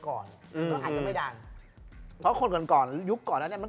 ก่อนอืมก็อาจจะไม่ดังเพราะคนก่อนก่อนยุคก่อนแล้วเนี้ยมัน